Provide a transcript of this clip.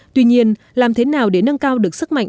tuy nhiên làm thế nào để nâng cao được sức mạnh